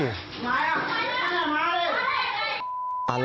มาล่ะมาล่ะมาล่ะ